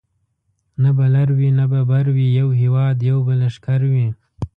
نه به لر وي نه به بر وي یو هیواد یو به لښکر وي